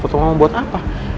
foto kamu buat apa